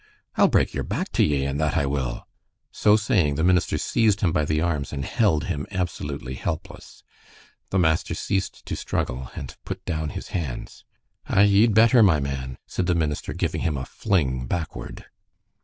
I'll break you're back to ye, and that I will." So saying, the minister seized him by the arms and held him absolutely helpless. The master ceased to struggle, and put down his hands. "Ay, ye'd better, my man," said the minister, giving him a fling backward.